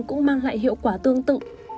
cũng mang lại hiệu quả tương tự